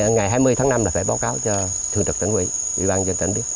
ngày hai mươi tháng năm là phải báo cáo cho thường trực tấn quỹ ủy ban dân tấn quyền